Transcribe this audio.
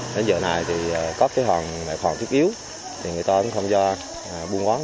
đến giờ này thì có cái mẹ hoàng thiết yếu thì người ta cũng không do buôn bán